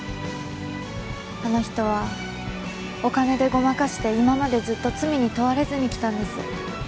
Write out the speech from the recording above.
あの人はお金でごまかして今までずっと罪に問われずにきたんです。